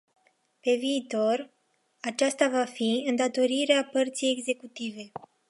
Pe viitor, aceasta va fi îndatorirea părții executive.